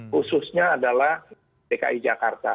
khususnya adalah dki jakarta